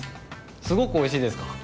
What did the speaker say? すごくおいしいですか。